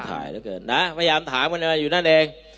พยายามถ่ายอยู่นั่นเอง